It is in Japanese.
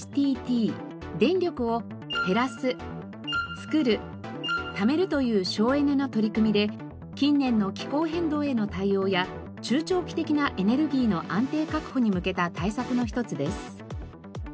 電力を「へらすつくるためる」という省エネの取り組みで近年の気候変動への対応や中長期的なエネルギーの安定確保に向けた対策の一つです。